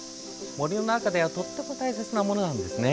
森の中ではとても大切なものなんですよ。